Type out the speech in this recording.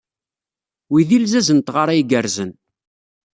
Wi d ilzazen n tɣara igerrzen.